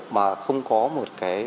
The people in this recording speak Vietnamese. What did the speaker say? mà không có một cái